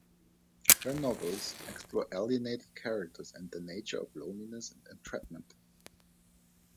Her novels explore alienated characters and the nature of loneliness and entrapment.